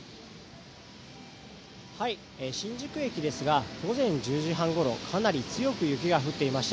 新宿駅ですが午前１０時半ごろかなり強く雪が降っていました。